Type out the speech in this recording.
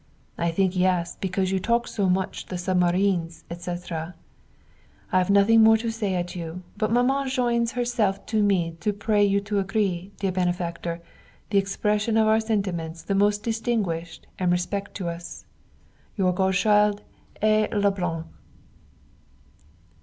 I think yes, because you talk so much the submareens, etc. I have nothing more to say at you, but Maman joins herself to me to pray you to agree, dear benefactor, the expression of our sentiments the most distinguished and respectuous. Your godchild, A. Leblanc.